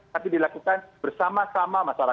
tapi dilakukan bersama sama